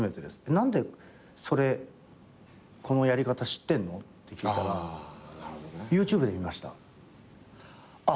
何でこのやり方知ってんの？って聞いたら「ＹｏｕＴｕｂｅで見ました」って。